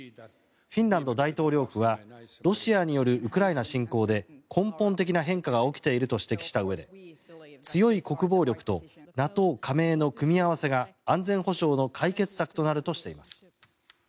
フィンランド大統領府はロシアによるウクライナ侵攻で根本的な変化が起きていると指摘したうえで強い国防力とＮＡＴＯ加盟の組み合わせが安全保障の解決策となるとしています。